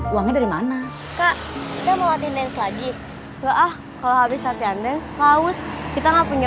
uangnya dari mana kak kita mau nge rap lagi ah kalau habis santian dan klaus kita nggak punya